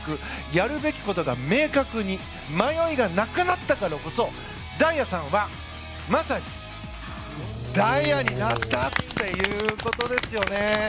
やるべきことが明確に迷いがなくなったからこそ大也さんはまさにダイヤになったということですよね。